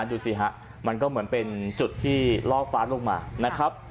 ดูสิฮะมันก็เหมือนเป็นจุดที่ล่อฟ้าลงมานะครับ